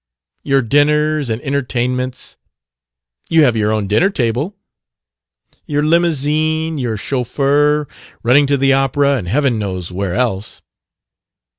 "Your dinners and entertainments...." "You have your own dinner table." "Your limousine, your chauffeur, running to the opera and heaven knows where else...."